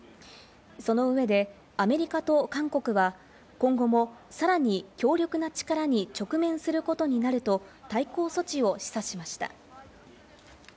その上でアメリカと韓国は今後もさらに強力な力に直面することになると対抗措置を示唆しました。